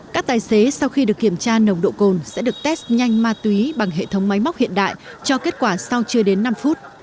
các tài xế sau khi được kiểm tra nồng độ cồn sẽ được test nhanh ma túy bằng hệ thống máy móc hiện đại cho kết quả sau chưa đến năm phút